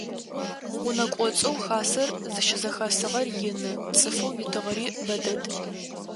Унэ кӏоцӏэу хасэр зыщызэхэсыгъэр ины, цӏыфэу итыгъэри бэ дэд.